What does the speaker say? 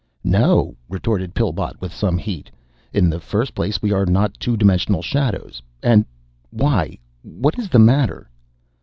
"No!" retorted Pillbot with some heat. "In the first place, we are not two dimensional shadows, and why, what is the matter?"